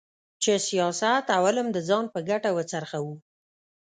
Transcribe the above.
چې سیاست او علم د ځان په ګټه وڅرخوو.